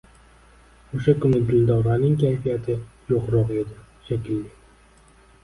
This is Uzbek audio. Oʻsha kuni Dildoraning kayfiyati yoʻqroq edi, shekilli.